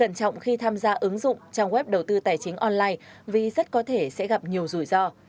cẩn trọng khi tham gia ứng dụng trang web đầu tư tài chính online vì rất có thể sẽ gặp nhiều rủi ro